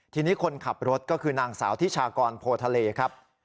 ทีนี้คนขับรถก็คือนางสาวทิชากรโพทะเลครับ